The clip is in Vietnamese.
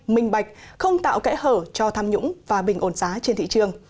minh bạch không tạo kẽ hở cho tham nhũng và bình ổn giá trên thị trường